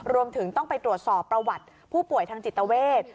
รวมถึงต้องไปตรวจสอบประวัติผู้ป่วยทางจิตเวท